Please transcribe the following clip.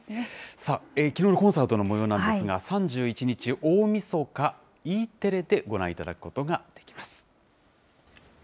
さあ、きのうのコンサートのもようなんですが、３１日大みそか、Ｅテレでご覧いただくことができます。